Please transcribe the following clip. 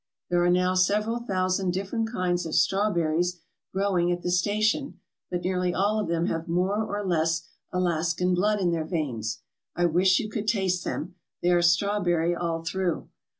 There are now several thousand different kinds of strawberries growing at the station, but nearly all of them have" more or less Alaskan blood in their veins. I wish you could taste them. They are strawberry all through.